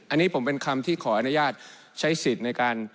อันนี้ผมเป็นคำที่ขออนุญาตใช้สิทธิ์ในการ